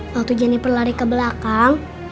waktu jennifer lari ke belakang